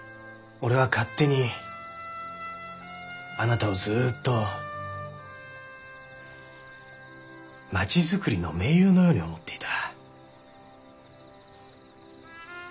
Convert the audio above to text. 俺は勝手にあなたをずっと町づくりの盟友のように思っていた。